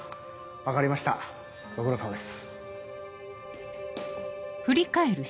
分かりましたご苦労さまです。